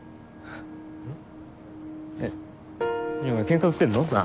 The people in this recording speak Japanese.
えお前ケンカ売ってんの？な？